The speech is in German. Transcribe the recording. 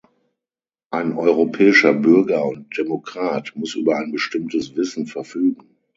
Ein europäischer Bürger und Demokrat muss über ein bestimmtes Wissen verfügen.